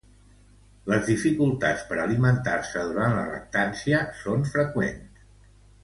Les dificultats per alimentar-se durant la lactància són freqüents.